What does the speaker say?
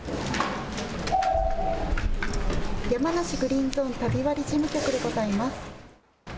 山梨グリーン・ゾーン旅割事務局でございます。